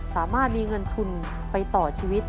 สามารถมีเงินทุนไปต่อชีวิต